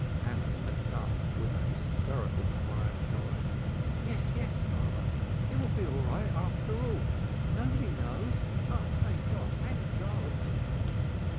Hannah leaped up with a hysterical cry of joy. "Yes, yes, father. It will be all right, after all. Nobody knows. Oh, thank God! thank God!"